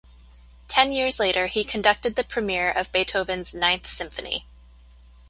Ten years later, he conducted the premiere of Beethoven's "Ninth Symphony".